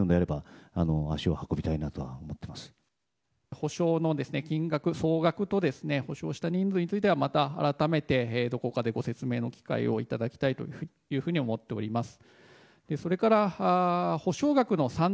補償の金額、総額と補償した人数については改めてどこかでご説明の機会をいただきたいと思っています。